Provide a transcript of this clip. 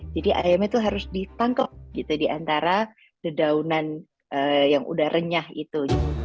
jadi ayam itu harus ditangkap gitu diantara dedaunan yang udah renyah itu